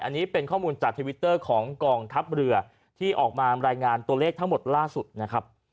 อันนี้เป็นข้อมูลจากทวิตเตอร์ของกองทัพเรือที่ออกมารายงานตัวเลขทั้งหมดล่าสุดนะครับ